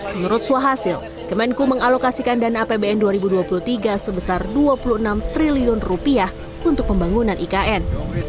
menurut suhasil kemenku mengalokasikan dana apbn dua ribu dua puluh tiga sebesar rp dua puluh enam triliun rupiah untuk pembangunan ikn